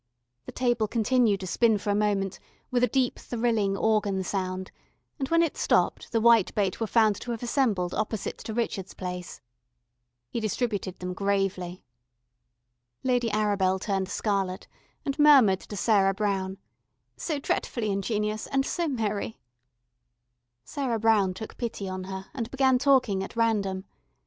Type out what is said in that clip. The table continued to spin for a moment, with a deep thrilling organ sound, and when it stopped, the whitebait were found to have assembled opposite to Richard's place. He distributed them gravely. Lady Arabel turned scarlet, and murmured to Sarah Brown: "So dretfully ingenious, and so merry." Sarah Brown took pity on her, and began talking at random.